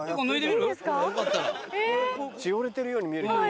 しおれてるように見えるけど。